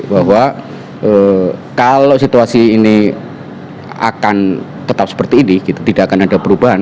bahwa kalau situasi ini akan tetap seperti ini tidak akan ada perubahan